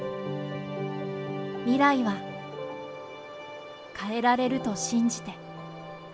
未来は変えられると信じて。